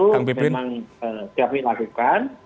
itu memang kami lakukan